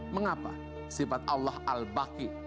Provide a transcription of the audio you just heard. mengapa sifat allah al baqi